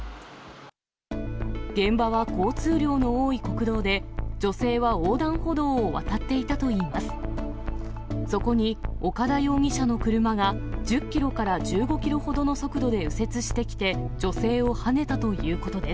現場は交通量の多い国道で、女性は横断歩道を渡っていたといいます。